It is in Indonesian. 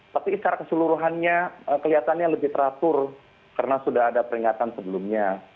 tapi secara keseluruhannya kelihatannya lebih teratur karena sudah ada peringatan sebelumnya